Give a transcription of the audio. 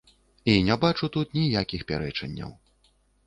І не бачу тут ніякіх пярэчанняў.